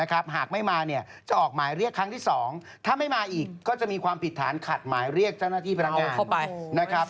สอบปากคำพยานไปแล้วกว่า๒๐ปากนะครับ